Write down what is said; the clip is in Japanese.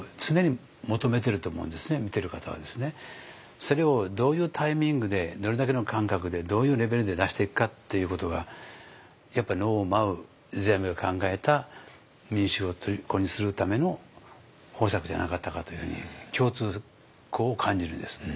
それをどういうタイミングでどれだけの間隔でどういうレベルで出していくかっていうことがやっぱ能を舞う世阿弥が考えた民衆をとりこにするための方策じゃなかったかというふうに共通項を感じるんです。